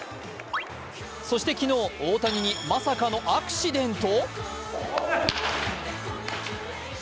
そして昨日、大谷にまさかのアクシデント？